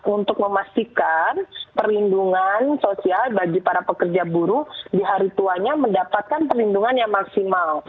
untuk memastikan perlindungan sosial bagi para pekerja buruh di hari tuanya mendapatkan perlindungan yang maksimal